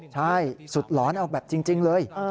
ใช่สุดหลอนเอาแบบจริงเลย